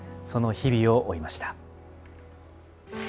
その日々を追いました。